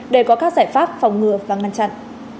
để có các giải pháp phòng ngừa và ngăn chặn